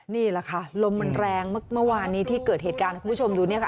นี่แหละค่ะลมมันแรงเมื่อวานนี้ที่เกิดเหตุการณ์ให้คุณผู้ชมดูเนี่ยค่ะ